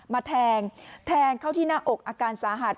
มาแทงแทงเข้าที่หน้าอกอาการสาหัส